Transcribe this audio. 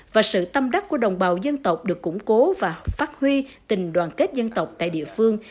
và sự tâm đắc của đồng bào dân tộc được củng cố và phát huy tình đoàn kết dân tộc tại địa phương